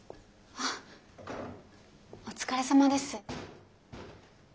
あっお疲れさまです。